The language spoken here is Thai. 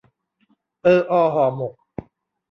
เออออห่อหมก